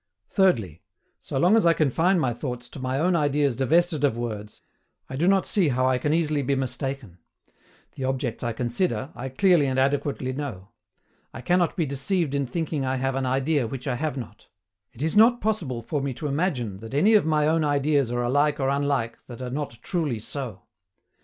THIRDLY, so long as I confine my thoughts to my own ideas divested of words, I do not see how I can easily be mistaken. The objects I consider, I clearly and adequately know. I cannot be deceived in thinking I have an idea which I have not. It is not possible for me to imagine that any of my own ideas are alike or unlike that are not truly so.